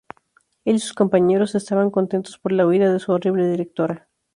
Él y sus compañeros estaban contentos por la huida de su horrible directora.